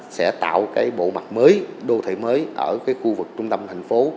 sẽ tạo bộ mặt mới đô thị mới ở khu vực trung tâm thành phố